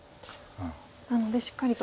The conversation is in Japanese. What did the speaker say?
なのでしっかりと。